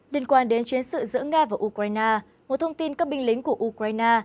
liên quan đến chiến sự giữa nga và ukraine một thông tin các binh lính của ukraine